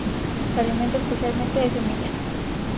Se alimenta especialmente de semillas.